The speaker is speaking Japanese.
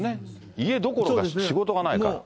家どころか仕事がないから。